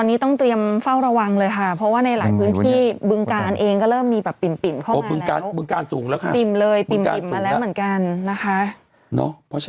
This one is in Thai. มีออกมาไว้ทันอืมคุณดูแบบ